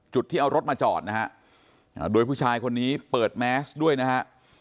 ที่เอารถมาจอดนะฮะโดยผู้ชายคนนี้เปิดแมสด้วยนะฮะ